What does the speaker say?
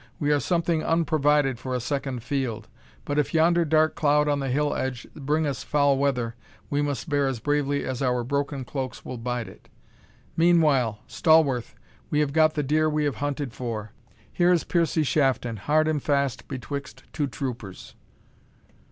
We are something unprovided for a second field, but if yonder dark cloud on the hill edge bring us foul weather, we must bear as bravely as our broken cloaks will bide it. Meanwhile, Stawarth, we have got the deer we have hunted for here is Piercie Shafton hard and fast betwixt two troopers."